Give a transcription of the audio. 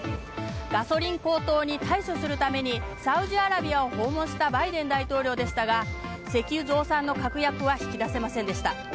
ガソリン高騰に対処するためにサウジアラビアを訪問したバイデン大統領でしたが石油増産の確約は引き出せませんでした。